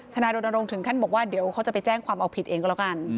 นายรณรงค์ถึงขั้นบอกว่าเดี๋ยวเขาจะไปแจ้งความเอาผิดเองก็แล้วกัน